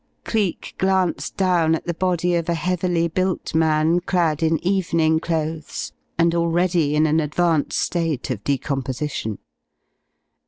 Cleek glanced down at the body of a heavily built man, clad in evening clothes, and already in an advanced state of decomposition.